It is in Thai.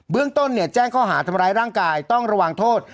เรื่องต้นแจ้งข้อหาทำร้ายร่างกายต้องระวังโทษ